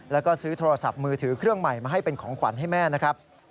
แล้วก็ซื้อโทรศัพท์มือถือเครื่องใหม่มาให้เป็นของขวัญให้แม่นะครับ